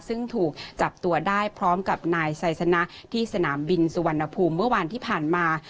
ซึ่งถูกจับตัวได้พร้อมกับนายไซสนะที่สนามบินสุวรรณภูมิเมื่อวานที่ผ่านมา